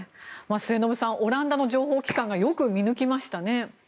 末延さん、オランダの情報機関がよく見抜きましたね。